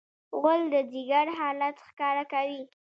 غول د ځیګر حالت ښکاره کوي.